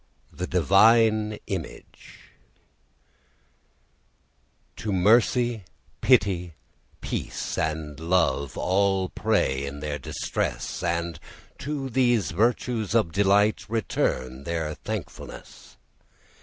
THE DIVINE IMAGE To Mercy, Pity, Peace, and Love, All pray in their distress, And to these virtues of delight Return their thankfulness.